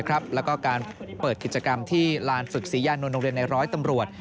และการเปิดการพิจากรที่ลานฝึกศีลยานวงเรียนในร้อยตำรวจ